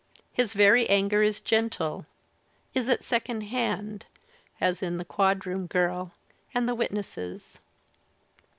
His very anger is gentle, is at second hand (as in the 'Quadroon Girl' and the * Witnesses').